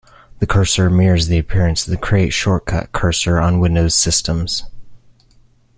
The cursor mirrors the appearance of the "create shortcut" cursor on Windows systems.